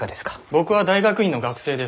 僕は大学院の学生です。